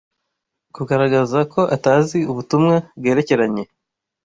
kugaragaza ko atazi ubutumwa bwerekeranye